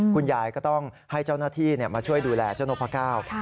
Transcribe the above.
คุณยายก็ต้องให้เจ้าหน้าที่มาช่วยดูแลเจ้านกพระเก้า